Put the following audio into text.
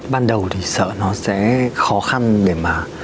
ban đầu thì sợ nó sẽ khó khăn để mà